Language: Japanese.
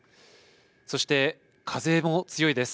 そして風も強いです。